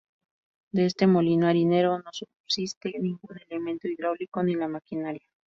De este molino harinero, no subsiste ningún elemento hidráulico ni la maquinaria.